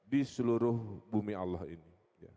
di seluruh bumi allah ini